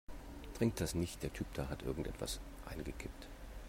Trink das nicht, der Typ da hat irgendetwas reingekippt.